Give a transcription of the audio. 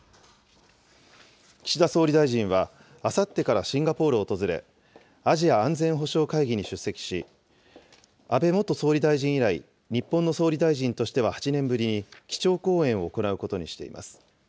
岸田総理大臣はあさってからシンガポールを訪れ、アジア安全保障会議に出席し、安倍元総理大臣以来、日本の総理大臣としては８年ぶりに、基調講演を行うことにしています。